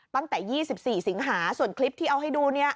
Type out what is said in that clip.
ตั้งแต่๒๔สิงหาส่วนคลิปที่เอาให้ดูเนี่ย